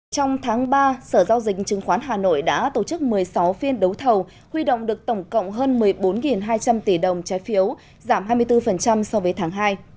trong tháng ba sở giao dịch chứng khoán hà nội đã tổ chức một mươi sáu phiên đấu thầu huy động được tổng cộng hơn một mươi bốn hai trăm linh tỷ đồng trái phiếu giảm hai mươi bốn so với tháng hai